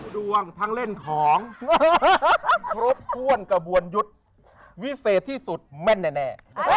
ดวงทั้งเล่นของครบถ้วนกระบวนยุทธ์วิเศษที่สุดแม่นแน่